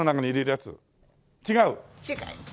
違います。